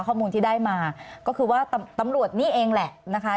ข้อมูลที่ได้มาก็คือว่าตำรวจนี่เองแหละนะคะ